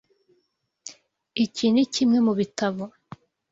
Iki nikimwe mubitabo.